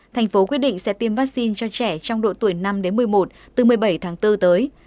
thành phố quyết định sẽ tiêm vaccine cho trẻ trong độ tuổi năm đến một mươi một từ một mươi bảy tháng bốn tới